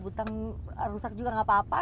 hutang rusak juga gak apa apa